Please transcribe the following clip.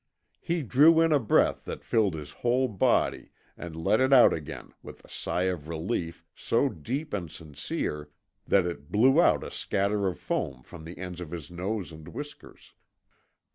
He drew in a breath that filled his whole body and let it out again with a sigh of relief so deep and sincere that it blew out a scatter of foam from the ends of his nose and whiskers.